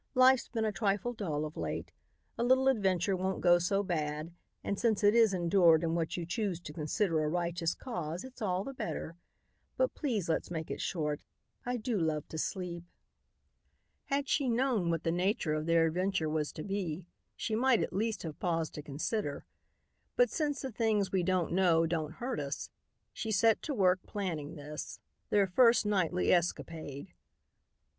Life's been a trifle dull of late. A little adventure won't go so bad and since it is endured in what you choose to consider a righteous cause, it's all the better. But please let's make it short. I do love to sleep." Had she known what the nature of their adventure was to be, she might at least have paused to consider, but since the things we don't know don't hurt us, she set to work planning this, their first nightly escapade.